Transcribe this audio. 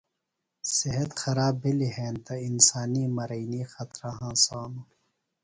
صحت خراب بھلِیۡ ہینتہ انسانی مرینیۡ خطرہ ہنسانوۡ۔